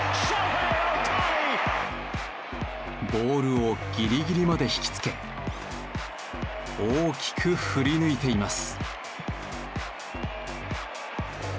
ボールをギリギリまで引きつけ大きく振り抜いています。